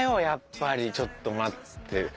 やっぱりちょっと待って。